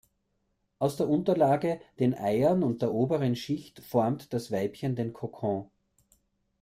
Aus der Unterlage, den Eiern und der oberen Schicht formt das Weibchen den Kokon.